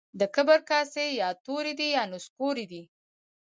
د کبر کاسې يا توري دي يا نسکوري دي.